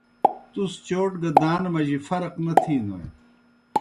تُس چوٹ گہ دان مجی فرق نہ تِھینوْئے۔